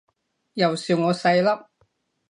又笑我細粒